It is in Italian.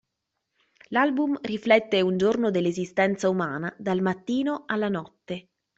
L'album riflette un giorno dell'esistenza umana, dal mattino alla notte.